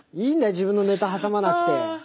自分のネタ挟まなくて。